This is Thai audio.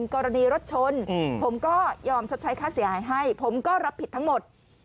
กรณีรถชนผมก็ยอมชดใช้ค่าเสียหายให้ผมก็รับผิดทั้งหมด